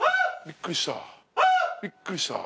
びっくりした。